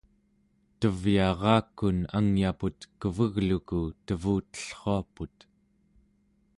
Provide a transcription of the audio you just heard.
tevyarakun angyaput kevegluku tevutellruaput